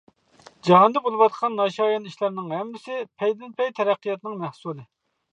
جاھاندا بولۇۋاتقان ناشايان ئىشلارنىڭ ھەممىسى پەيدىن پەي تەرەققىياتنىڭ مەھسۇلى.